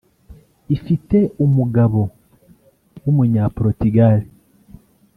ifite umugabo w’umunya Porutigale